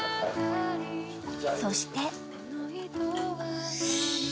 ［そして］